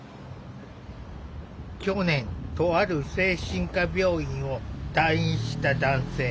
去年とある精神科病院を退院した男性。